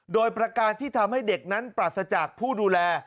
โดยประการที่ทำให้เด็กนั้นปราศจากผู้ดูแล